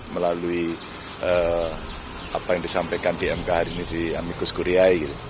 melalui apa yang disampaikan di mk hari ini di amikus kuriyai